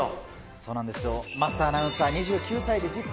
そうなんですよ、桝アナウンサー、２９歳でＺＩＰ！